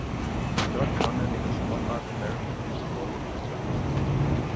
Dort kam er mit der Sportart American Football in Kontakt.